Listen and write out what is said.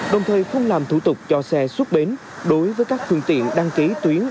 đồng thời không làm thủ tục cho xe xuất bến đối với các phương tiện đăng ký tuyến